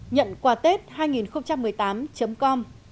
nhận quà tết hai nghìn một mươi tám com